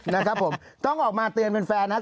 นะครับผมต้องออกมาเตือนแฟนนะครับ